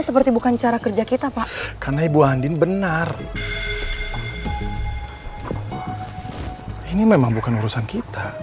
seperti membangun berbensi